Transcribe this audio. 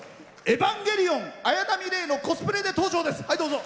「エヴァンゲリオン」の綾波レイのコスプレで登場です。